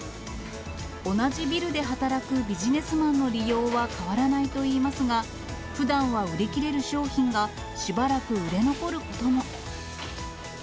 同じビルで働くビジネスマンの利用は変わらないといいますが、ふだんは売り切れる商品が、しばらく売れ残ることも。